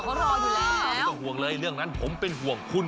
ได้เวลาไป